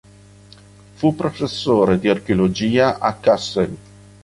Fu professore di archeologia a Kassel.